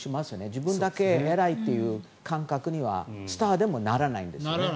自分だけ偉いという感覚にはスターでもならないんですね。